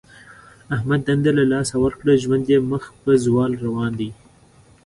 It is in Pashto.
احمد دنده له لاسه ورکړه. ژوند یې مخ په زوال روان دی.